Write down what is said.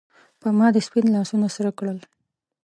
پۀ ما دې سپین لاسونه سرۀ کړل